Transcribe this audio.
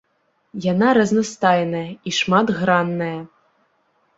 Яна разнастайная і шматгранная.